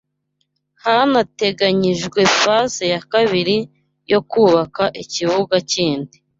hanateganyijwe phase ya kabiri yo kubaka ikibuga kindi